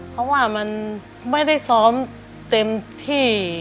เพราะว่ามันไม่ได้ซ้อมเต็มที่